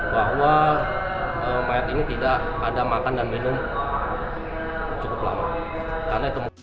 bahwa mayat ini tidak ada makan dan minum cukup lama